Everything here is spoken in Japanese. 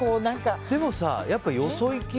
でもさ、よそいき。